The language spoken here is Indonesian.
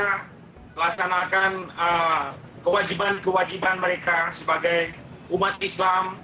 melaksanakan kewajiban kewajiban mereka sebagai umat islam